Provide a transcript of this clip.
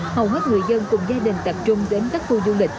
hầu hết người dân cùng gia đình tập trung đến các khu du lịch